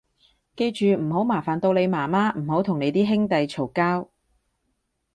記住唔好麻煩到你媽媽，唔好同你啲兄弟嘈交